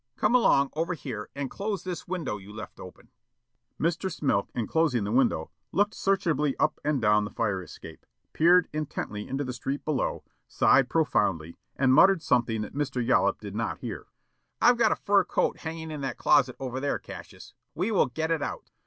Come along over here and close this window you left open." Mr. Smilk in closing the window, looked searchingly up and down the fire escape, peered intently into the street below, sighed profoundly and muttered something that Mr. Yollop did not hear. "I've got a fur coat hanging in that closet over there, Cassius. We will get it out."